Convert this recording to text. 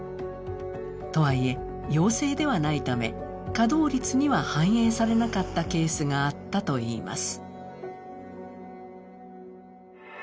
とはいえ、陽性ではないため稼働率には反映されなかったケースがあったといいます。